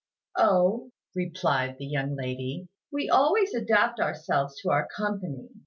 "Oh," replied the young lady, "we always adapt ourselves to our company.